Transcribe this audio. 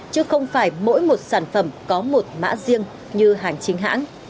chứ không phải mỗi một sản phẩm có một mã riêng như hàng chính hãng